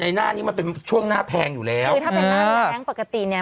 หน้านี้มันเป็นช่วงหน้าแพงอยู่แล้วคือถ้าเป็นน้ำแรงปกติเนี้ย